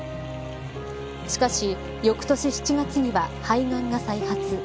しかし、翌年７月には肺がんが再発。